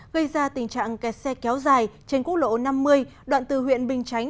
gây ra tình trạng kẹt xe kéo dài trên quốc lộ năm mươi đoạn từ huyện bình chánh